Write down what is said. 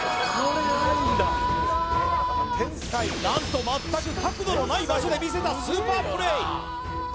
何と全く角度のない場所で見せたスーパープレー